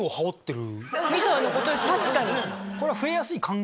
確かに。